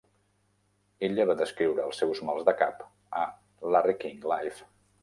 Ella va descriure els seus mal de caps a "Larry King Live".